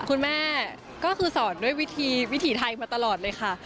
คุณแม่ก็คือสอนด้วยวิธีวิถีไทยมาตลอดเลยค่ะ